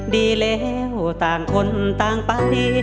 ดีแล้วต่างคนต่างไป